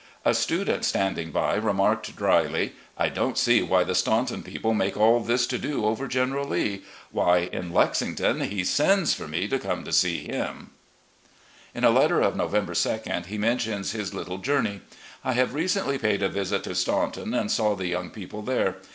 A student standing by remarked dryly: "I don't see why the Staimton people make all this to do over General Lee; why, in Lexington, he sends for me to come to see him !" 330 RECOLLECTIONS OE GENERAL LEE In a letter of November 3d he mentions this little journey: "... I have recently paid a visit to Staunton and saw the young people there.